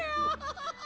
ハハハハ。